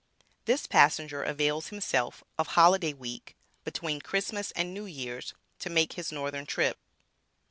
THIS PASSENGER AVAILS HIMSELF OF HOLIDAY WEEK, BETWEEN CHRISTMAS AND NEW YEAR'S, TO MAKE HIS NORTHERN TRIP.